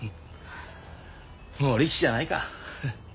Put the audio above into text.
もう力士じゃないか。